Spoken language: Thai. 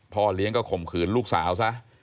พ่อเลี้ยงก็ข่มขืนลูกสาวซะ